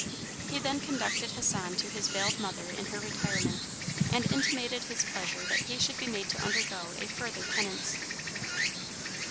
He then conducted Hassan to his veiled mother in her retirement, and intimated his pleasure that he should be made to undergo a further penance.